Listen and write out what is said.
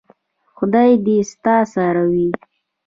خدای دې ستا سره وي .